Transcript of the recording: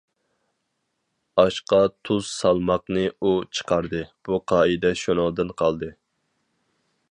ئاشقا تۇز سالماقنى ئۇ چىقاردى، بۇ قائىدە شۇنىڭدىن قالدى.